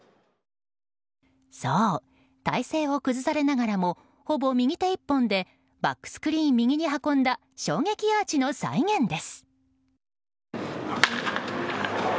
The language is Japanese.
そう、体勢を崩されながらもほぼ右手１本でバックスクリーン右に運んだ衝撃アーチの再現です。